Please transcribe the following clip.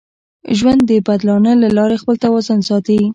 ژوند د بدلانه له لارې خپل توازن ساتي.